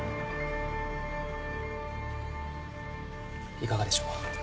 いかがでしょう？